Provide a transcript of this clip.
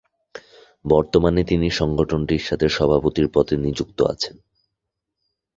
বর্তমানে তিনি সংগঠনটির সভাপতির পদে নিযুক্ত আছেন।